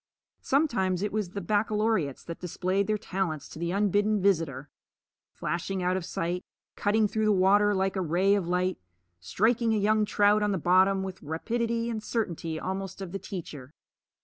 Sometimes it was the baccalaureates that displayed their talents to the unbidden visitor, flashing out of sight, cutting through the water like a ray of light, striking a young trout on the bottom with the rapidity and certainty almost of the teacher.